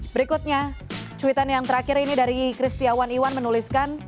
berikutnya cuitan yang terakhir ini dari kristiawan iwan menuliskan